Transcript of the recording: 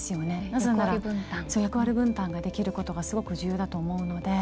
なぜなら役割分担ができることが重要だと思うので。